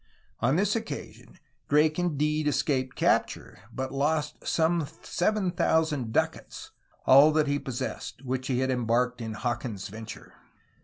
On this occasion Drake indeed escaped capture, but lost some seven thousand ducats, all that he possessed, which he had embarked in Hawkins' venture.